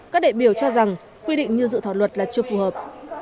các đại biểu cho rằng quy định như dự thảo luật là chưa phù hợp